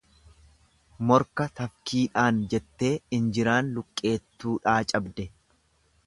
Morkaa tafkiidhaaan jettee injiraan luqqeettuudhaa cabde.